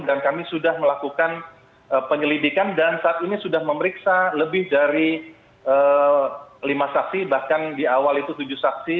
dan kami sudah melakukan penyelidikan dan saat ini sudah memeriksa lebih dari lima saksi bahkan di awal itu tujuh saksi